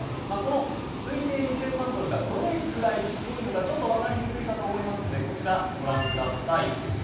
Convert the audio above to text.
この推定２０００万ドルがどれくらいすごいのか分かりにくいかと思いますのでこちらご覧ください。